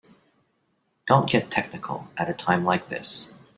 Don't get technical at a time like this.